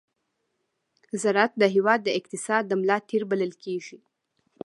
ز راعت د هېواد د اقتصاد د ملا تېر بلل کېږي.